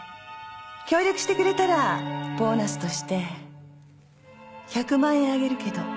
協力してくれたらボーナスとして１００万円あげるけど。